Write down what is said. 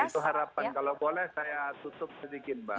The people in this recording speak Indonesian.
itu harapan kalau boleh saya tutup sedikit mbak